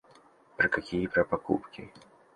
Про какие про покупки?